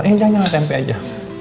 eh jangan jangan tempe aja